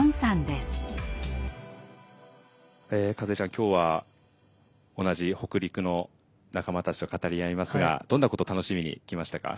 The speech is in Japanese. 今日は同じ北陸の仲間たちと語り合いますがどんなことを楽しみに来ましたか？